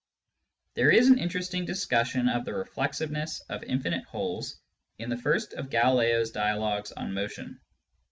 There is an interesting discussion of the reflexiveness of infinite wholes in the first of Galileo's Dialogues on Motion.